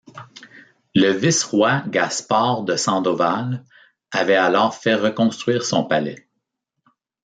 Le Vice-Roi Gaspar de Sandoval avait alors fait reconstruire son palais.